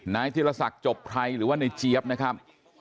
นายทิรศักดิ์จบใครหรือว่าในเจ๊บนะครับ